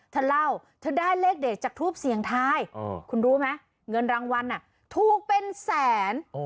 เธอเล่าเธอได้เลขเด็ดจากทูปเสียงทายคุณรู้ไหมเงินรางวัลถูกเป็นแสน